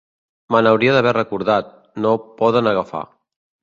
Me n'hauria d'haver recordat, no ho poden agafar.